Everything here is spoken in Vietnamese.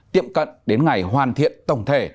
tiệm cận đến ngày hoàn thiện tổng thể